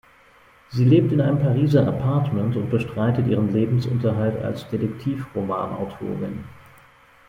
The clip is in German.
Sie lebt in einem Pariser Appartement und bestreitet ihren Lebensunterhalt als Detektivroman-Autorin.